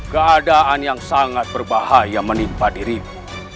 keadaan yang sangat berbahaya menimpa diriku